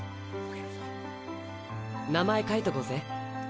瀧：名前書いとこうぜ。